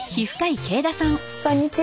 こんにちは。